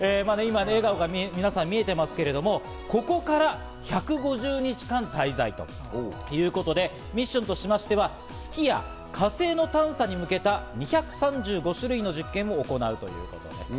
皆さんの様子が今見えていますが、ここから１５０日間滞在ということでミッションとしましては、月や火星の探査に向けた２３５種類の実験を行うということです。